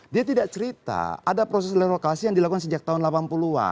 dia tidak cerita ada proses lelokasi yang dilakukan sejak tahun delapan puluh an